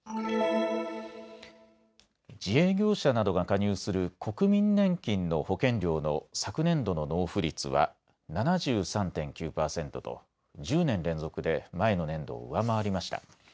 自営業者などが加入する国民年金の保険料の昨年度の納付率は７３．９％と１０年連続で前の年度を上回りました。